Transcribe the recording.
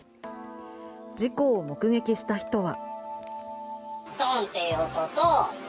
事故を目撃した人は。